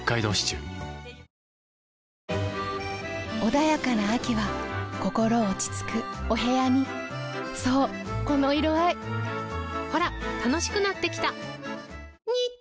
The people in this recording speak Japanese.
穏やかな秋は心落ち着くお部屋にそうこの色合いほら楽しくなってきた！